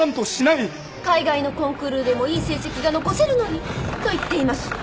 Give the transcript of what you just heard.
「海外のコンクールでもいい成績が残せるのに」と言っています。